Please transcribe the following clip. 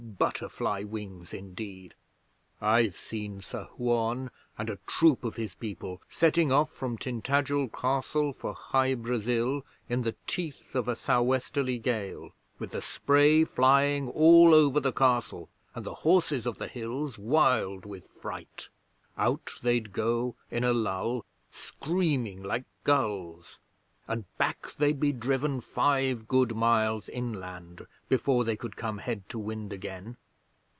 Butterfly wings, indeed! I've seen Sir Huon and a troop of his people setting off from Tintagel Castle for Hy Brasil in the teeth of a sou' westerly gale, with the spray flying all over the Castle, and the Horses of the Hills wild with fright. Out they'd go in a lull, screaming like gulls, and back they'd be driven five good miles inland before they could come head to wind again.